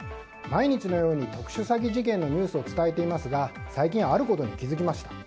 毎日のように特殊詐欺事件のニュースを伝えていますが最近、あることに気づきました。